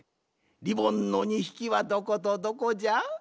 リボンの２ひきはどことどこじゃ？